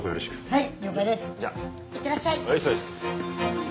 はい！